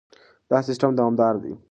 دا سیستم دوامدار دی.